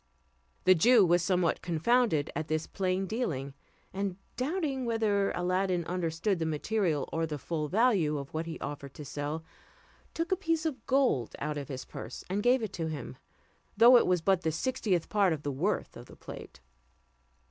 The Jew was somewhat confounded at this plain dealing; and doubting whether Aladdin understood the material or the full value of what he offered to sell, took a piece of gold out of his purse and gave it him, though it was but the sixtieth part of the worth of the plate.